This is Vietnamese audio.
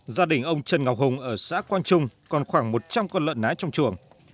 gia đình ông trần ngọc hùng ở xã quang trung còn khoảng một trăm linh con lợn nái trong chuồng